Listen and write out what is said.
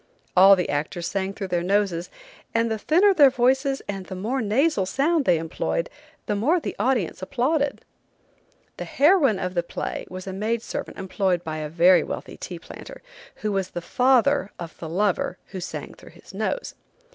All the actors sang through their noses, and the thinner their voices and the more nasal sound they employed the more the audience applauded. The heroine of the play was a maid servant employed by a very wealthy tea planter, who was the father of the lover who sang through his nose.